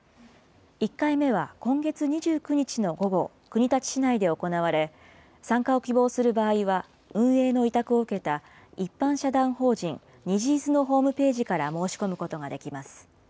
１回目は今月２９日の午後、国立市内で行われ、参加を希望する場合は、運営の委託を受けた、一般社団法人にじーずのホームページから申し込むことができます。